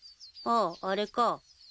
あああれか。